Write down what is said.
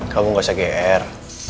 kamu gak usah gr